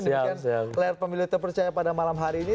demikian layar pemilu terpercaya pada malam hari ini